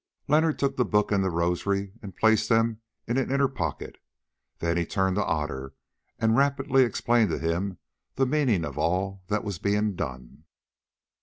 Leonard took the book and the rosary and placed them in an inner pocket. Then he turned to Otter and rapidly explained to him the meaning of all that was being done.